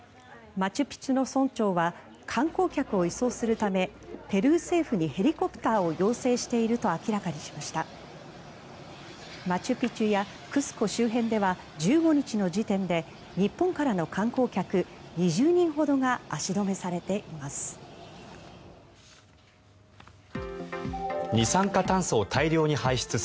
マチュピチュやクスコ周辺では１５日の時点で日本からの観光客２０人ほどが足止めされています。